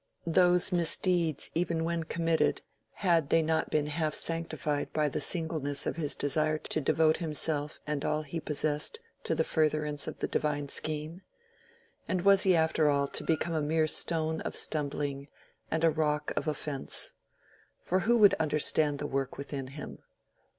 Those misdeeds even when committed—had they not been half sanctified by the singleness of his desire to devote himself and all he possessed to the furtherance of the divine scheme? And was he after all to become a mere stone of stumbling and a rock of offence? For who would understand the work within him?